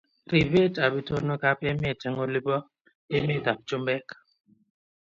Ribet ab itonwekab emet eng olipa emet ab chumbek